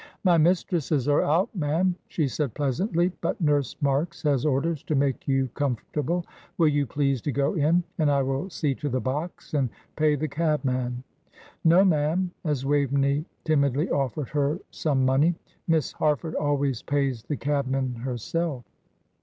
"My mistresses are out, ma'am," she said, pleasantly, "but Nurse Marks has orders to make you comfortable. Will you please to go in, and I will see to the box and pay the cabman. No, ma'am," as Waveney timidly offered her some money. "Miss Harford always pays the cabmen herself."